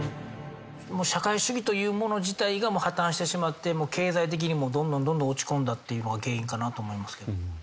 社会主義というもの自体が破綻してしまって経済的にもどんどんどんどん落ち込んだっていうのが原因かなと思いますけども。